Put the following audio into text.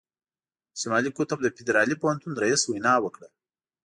د شمالي قطب د فدرالي پوهنتون رييس وینا وکړه.